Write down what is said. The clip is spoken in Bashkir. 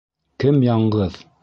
Кем яңғыҙ?